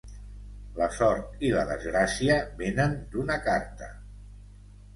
La sort i la desgràcia venen d'una carta.